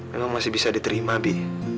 memang masih bisa diterima bi